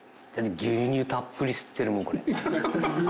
牛乳たっぷり吸ってるもんこれ。